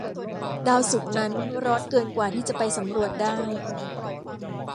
ดาวศุกร์นั้นร้อนเกินกว่าที่จะไปสำรวจได้